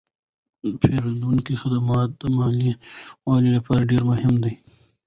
د پیرودونکو خدمتونه د مالي شمولیت لپاره ډیر مهم دي.